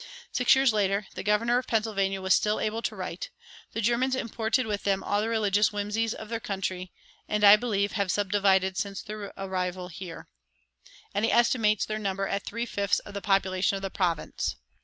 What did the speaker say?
Six years later the governor of Pennsylvania was still able to write, "The Germans imported with them all the religious whimsies of their country, and, I believe, have subdivided since their arrival here;" and he estimates their number at three fifths of the population of the province.